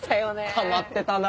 たまってたな。